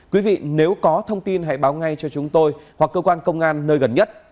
quý vị nếu có thông tin hãy báo ngay cho chúng tôi hoặc cơ quan công an nơi gần nhất